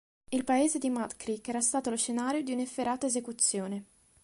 Il paese di Mud Creek era stato lo scenario di un'efferata esecuzione.